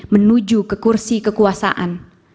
menuju ke kursi kekuasaan